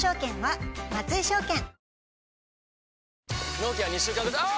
納期は２週間後あぁ！！